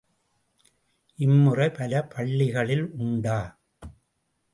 இம்முறை பல பள்ளிகளில் உண்டா?